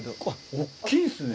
大っきいんですね。